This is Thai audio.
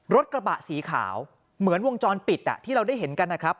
รถกระบะสีขาวเหมือนวงจรปิดที่เราได้เห็นกันนะครับ